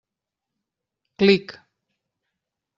Clic!